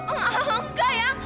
oh enggak eang